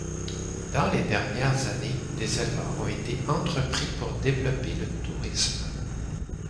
Dans les dernières années, des efforts ont été entrepris pour développer le tourisme.